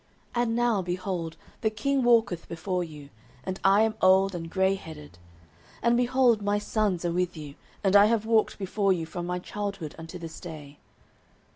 09:012:002 And now, behold, the king walketh before you: and I am old and grayheaded; and, behold, my sons are with you: and I have walked before you from my childhood unto this day.